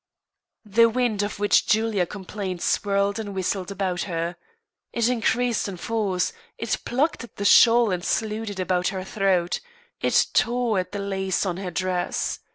The wind of which Julia complained swirled and whistled about her. It increased in force; it plucked at her shawl and slewed it about her throat; it tore at the lace on her dress.